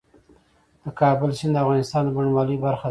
د کابل سیند د افغانستان د بڼوالۍ برخه ده.